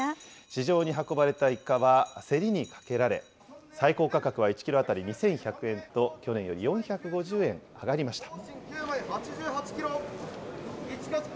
市場に運ばれたイカは、競りにかけられ、最高価格は１キロ当たり２１００円と、去年より４５０円上がりました。